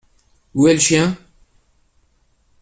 Où est le chien ?